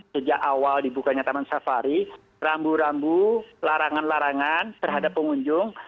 sejak awal dibukanya taman safari rambu rambu larangan larangan terhadap pengunjung